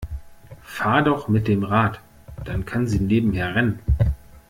Fahr doch mit dem Rad, dann kann sie nebenher rennen.